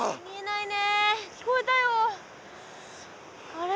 あれ？